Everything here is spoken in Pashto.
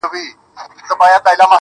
دا سدی پرېږده دا سړی له سړيتوبه وځي_